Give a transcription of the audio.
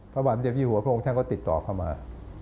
พระบาทมันจะพี่หัวเพราะเอานกกับท่านก็ติดต่อเข้ามา